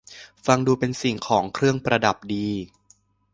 ฟังดูเป็นสิ่งของเครื่องประดับดี